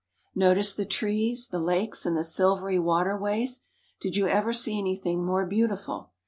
Notice the trees, the lakes, and the silvery waterways ! Did you ever see anything more beautiful